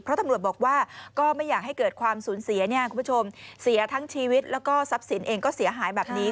เพราะตำรวจบอกว่าก็ไม่อยากให้เกิดความสูญเสียเนี่ยคุณผู้ชมเสียทั้งชีวิตแล้วก็ทรัพย์สินเองก็เสียหายแบบนี้